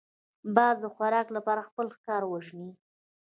باز د خوراک لپاره خپل ښکار وژني